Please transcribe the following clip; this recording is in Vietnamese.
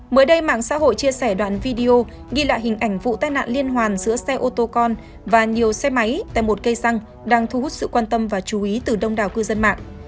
mới đây mạng xã hội chia sẻ đoạn video ghi lại hình ảnh vụ tai nạn liên hoàn giữa xe ô tô con và nhiều xe máy tại một cây xăng đang thu hút sự quan tâm và chú ý từ đông đảo cư dân mạng